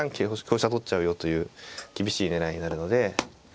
香車取っちゃうよという厳しい狙いになるので。